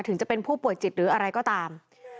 ถึงจะเป็นผู้ป่วยจิตหรืออะไรก็ตาม